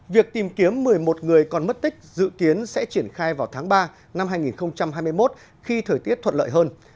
việc tìm kiếm một mươi một người còn mất tích dự kiến sẽ triển khai vào tháng ba năm hai nghìn hai mươi một khi thời tiết thuận lợi hơn